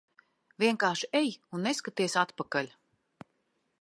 Vienkārši ej un neskaties atpakaļ.